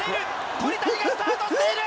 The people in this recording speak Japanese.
鳥谷がスタートしている！